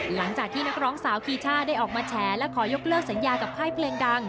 หลังจากที่นักร้องสาวคีช่าได้ออกมาแฉและขอยกเลิกสัญญากับค่ายเพลงดัง